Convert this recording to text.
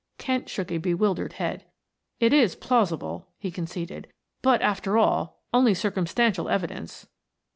Kent shook a bewildered head. "It is plausible," he conceded, "but, after all, only circumstantial evidence."